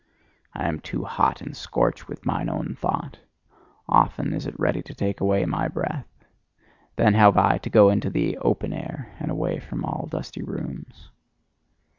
I am too hot and scorched with mine own thought: often is it ready to take away my breath. Then have I to go into the open air, and away from all dusty rooms.